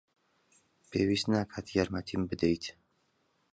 پێویست ناکات یارمەتیم بدەیت.